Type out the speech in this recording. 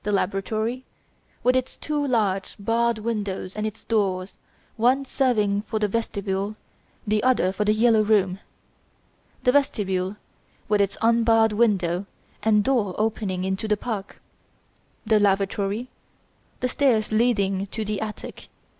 Laboratory, with its two large, barred windows and its doors, one serving for the vestibule, the other for "The Yellow Room". 3. Vestibule, with its unbarred window and door opening into the park. 4. Lavatory. 5. Stairs leading to the attic. 6.